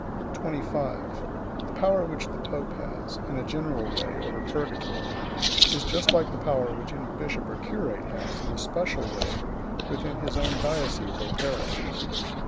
25. The power which the pope has, in a general way, over purgatory, is just like the power which any bishop or curate has, in a special way, within his own diocese or parish.